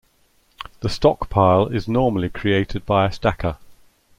The stockpile is normally created by a stacker.